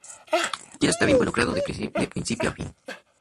Quiero estar involucrado de principio a fin.